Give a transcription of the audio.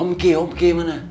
om kek om kek mana